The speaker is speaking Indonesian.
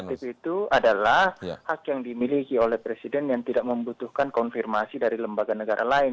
tkpp itu adalah hak yang dimiliki oleh presiden yang tidak membutuhkan konfirmasi dari lembaga negara lain